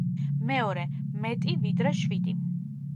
მეორე — მეტი, ვიდრე შვიდი.